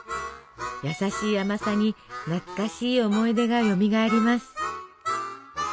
やさしい甘さに懐かしい思い出がよみがえります。